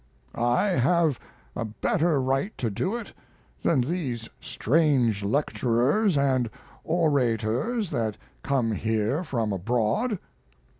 I have a better right to do it than these strange lecturers and orators that come here from abroad.